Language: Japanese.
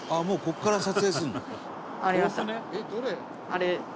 あれ。